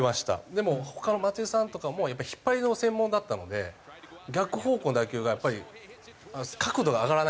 でも他の松井さんとかもやっぱり引っ張りの専門だったので逆方向の打球がやっぱり角度が上がらないんですよ。